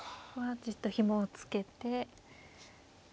じっとひもを付けて。